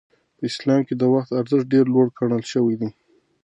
په اسلام کې د وخت ارزښت ډېر لوړ ګڼل شوی دی.